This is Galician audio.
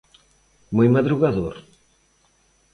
Moi madrugador.